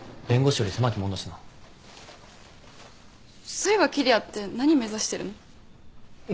そういえば桐矢って何目指してるの？